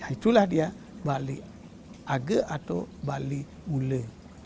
itulah dia bali age atau bali bule